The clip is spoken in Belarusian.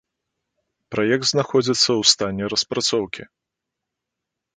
Праект знаходзіцца ў стане распрацоўкі.